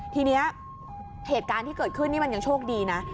ทีนี้เหตุการณ์ที่เกิดขึ้นนี่มันยังโชคดีนะ